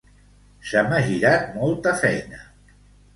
Se m'ha girat molta feina.